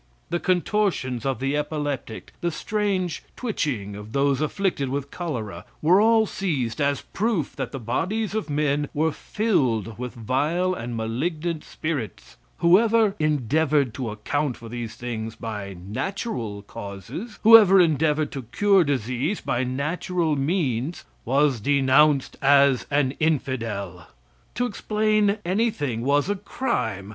The contortions of the epileptic, the strange twitching of those afflicted with cholera, were all seized as proof that the bodies of men were filled with vile and malignant spirits. Whoever endeavored to account for these things by natural causes; whoever endeavored to cure disease by natural means was denounced as an Infidel. To explain anything was a crime.